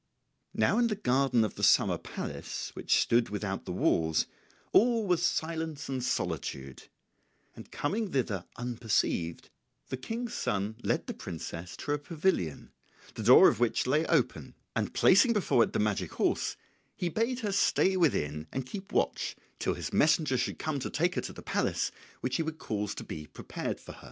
Now in the garden of the summer palace which stood without the walls all was silence and solitude, and coming thither unperceived the King's son led the princess to a pavilion, the door of which lay open, and placing before it the magic horse he bade her stay within and keep watch till his messenger should come to take her to the palace which he would cause to be prepared for her.